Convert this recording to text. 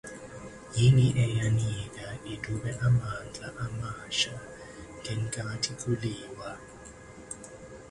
Yini eyanika idube amandla amasha ngenkathi kuliwa?